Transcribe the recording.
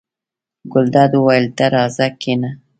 ګلداد وویل: ته راځه کېنه.